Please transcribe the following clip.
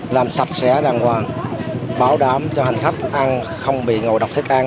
làm sạch sẽ đàng hoàng bảo đảm cho hành khách ăn không bị ngộ độc thức ăn